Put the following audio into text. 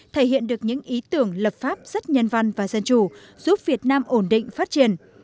thể hiện được những ý tưởng lập pháp rất nhân văn và dân chủ giúp việt nam ổn định phát triển